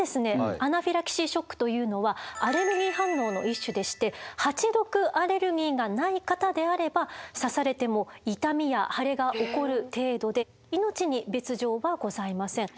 アナフィラキシーショックというのはアレルギー反応の一種でしてハチ毒アレルギーがない方であれば刺されても痛みや腫れが起こる程度で命に別状はございません。